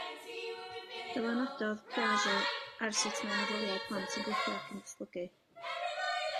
Dylanwadodd Piaget ar sut mae meddyliau plant yn gweithio ac yn datblygu.